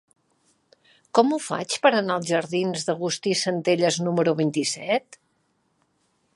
Com ho faig per anar als jardins d'Agustí Centelles número vint-i-set?